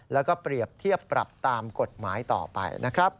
แล้วก็เปรียบเทียบปรับตามกฎหมายต่อไปนะครับ